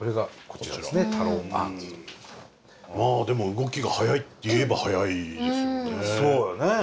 でも動きが早いっていえば早いですよね。